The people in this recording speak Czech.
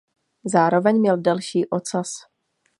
Zároveň měl delší ocas.